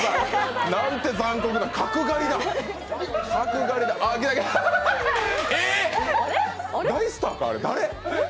残酷な、角刈りだ。